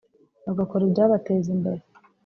bagakora ibyabateza imbere